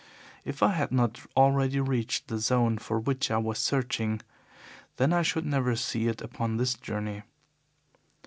If I had not already reached the zone for which I was searching then I should never see it upon this journey.